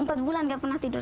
empat bulan gak pernah tidur